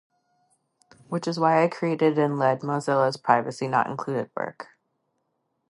Which is why I created and lead Mozilla's Privacy Not Included work.